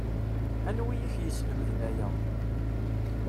Anwi i k-yeslemden aya